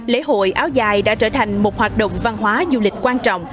lễ hội áo dài đã trở thành một hoạt động văn hóa du lịch quan trọng